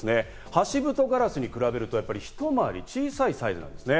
ハシブトガラスに比べると、ひと回り小さいサイズなんですね。